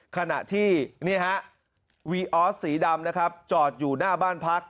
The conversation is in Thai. ขณะที่วีออสสีดำนะครับจอดอยู่หน้าบ้านพัก